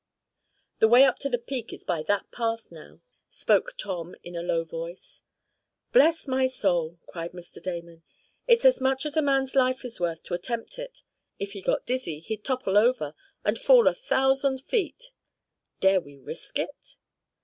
"The way up to the peak is by that path, now," spoke Tom, in a low voice. "Bless my soul!" cried Mr. Damon. "It's as much as a man's life is worth to attempt it. If he got dizzy, he'd topple over, and fall a thousand feet. Dare we risk it?"